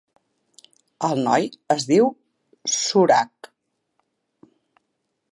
El noi es diu Suraj.